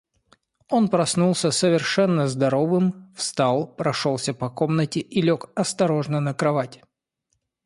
Он проснулся совершенно здоровым, встал, прошелся по комнате и лег осторожно на кровать.